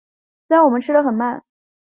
虽然我们吃很慢